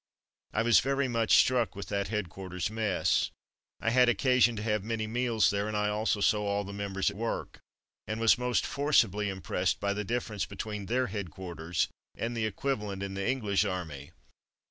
I was very much struck with that headquarters mess. I had occasion to have many meals there and I also saw all the members at work, and was most forcibly impressed by the difference between their headquarters and the equivalent in the English Army.